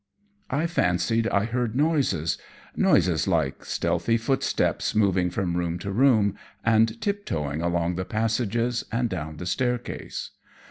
I fancied I heard noises, noises like stealthy footsteps moving from room to room, and tiptoeing along the passages and down the staircase.